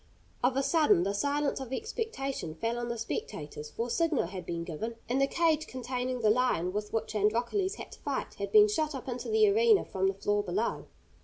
Of a sudden the silence of expectation fell on the spectators, for a signal had been given, and the cage containing the lion with which Androcles had to fight had been shot up into the arena from the floor below.